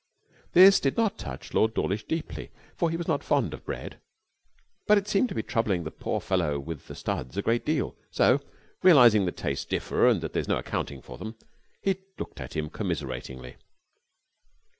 This did not touch Lord Dawlish deeply. He was not very fond of bread. But it seemed to be troubling the poor fellow with the studs a great deal, so, realizing that tastes differ and that there is no accounting for them, he looked at him commiseratingly.